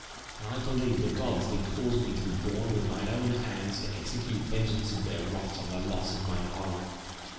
And I beliue the gods did cause me to be borne with mine owne hands to execute vengeaunce of their wrath and the losse of mine honour.